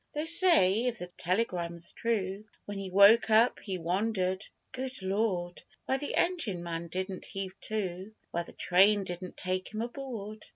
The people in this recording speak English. They say (if the telegram's true) When he woke up he wondered (good Lord!) 'Why the engine man didn't heave to Why the train didn't take him aboard.